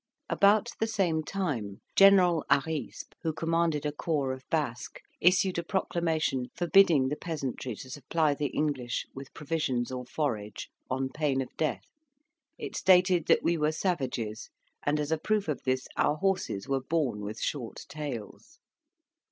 About the same time General Harispe, who commanded a corps of Basques, issued a proclamation forbidding the peasantry to supply the English with provisions or forage, on pain of death; it stated that we were savages, and, as a proof of this, our horses were born with short tails.